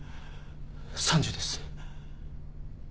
３０です。